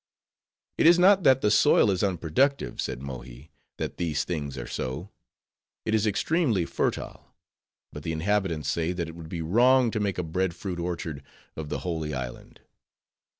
"It is not that the soil is unproductive," said Mohi, "that these things are so. It is extremely fertile; but the inhabitants say that it would be wrong to make a Bread fruit orchard of the holy island."